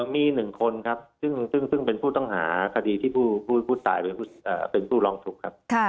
มี๑คนครับซึ่งเป็นผู้ต้องหาคดีที่ผู้ตายเป็นผู้ร้องทุกข์ครับ